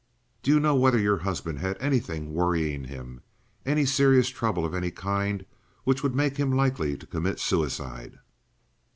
"Do you know whether your husband had anything worrying him any serious trouble of any kind which would make him likely to commit suicide?"